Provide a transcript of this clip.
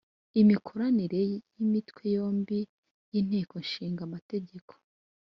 Imikoranire y Imitwe yombi y Inteko Ishinga amategeko